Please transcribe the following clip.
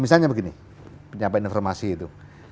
misalnya begini penyampaian informasi itu